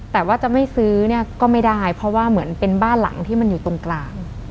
แต่ว่าจะไม่ซื้อเนี่ยก็ไม่ได้เพราะว่าเหมือนเป็นบ้านหลังที่มันอยู่ตรงกลาง